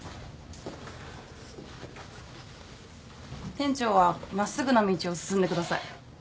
店長は真っすぐな道を進んでください。